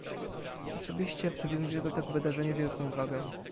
Osobiście przywiązuję do tego wydarzenia wielką wagę